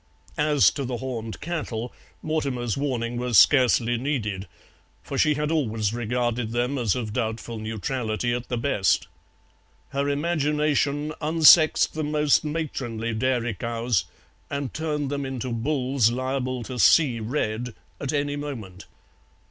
As to the horned cattle, Mortimer's warning was scarcely needed, for she had always regarded them as of doubtful neutrality at the best: her imagination unsexed the most matronly dairy cows and turned them into bulls liable to "see red" at any moment.